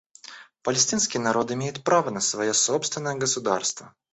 Палестинский народ имеет право на свое собственное государство.